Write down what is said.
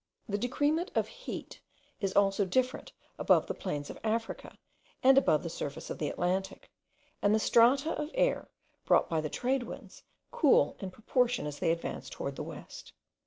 The decrement of heat is also different above the plains of Africa, and above the surface of the Atlantic; and the strata of air, brought by the trade winds, cool in proportion as they advance towards the west.